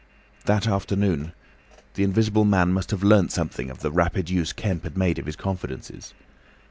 That afternoon the Invisible Man must have learnt something of the rapid use Kemp had made of his confidences.